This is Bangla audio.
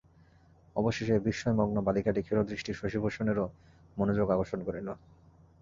অবশেষে এই বিস্ময়মগ্ন বালিকাটি ক্ষীণদৃষ্টি শশিভূষণেরও মনোযোগ আকর্ষণ করিল।